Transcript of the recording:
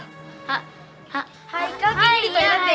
haikal kayaknya di toilet deh